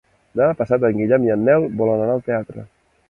Demà passat en Guillem i en Nel volen anar al teatre.